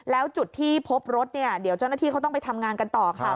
แล้วจุดที่พบรถเนี่ยเดี๋ยวเจ้าหน้าที่เขาต้องไปทำงานกันต่อค่ะ